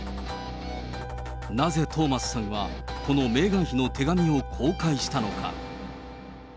なぜトーマスさんは、このメーガン妃の手紙を公開したのか。